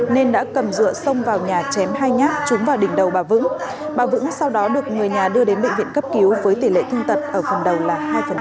nên đã cầm dựa xông vào nhà chém hai nhát trúng vào đỉnh đầu bà vững bà vững sau đó được người nhà đưa đến bệnh viện cấp cứu với tỷ lệ thương tật ở phần đầu là hai